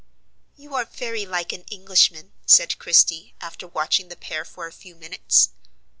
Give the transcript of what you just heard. "You are very like an Englishman," said Christie, after watching the pair for a few minutes.